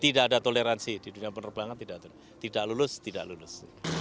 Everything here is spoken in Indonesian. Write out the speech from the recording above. tidak ada toleransi di dunia penerbangan tidak lulus tidak lulus